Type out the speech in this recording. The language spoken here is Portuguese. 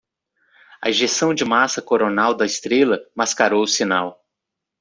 A ejeção de massa coronal da estrela mascarou o sinal.